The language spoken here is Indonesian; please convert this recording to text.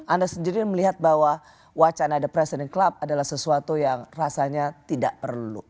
anda sendiri melihat bahwa wacana the president club adalah sesuatu yang rasanya tidak perlu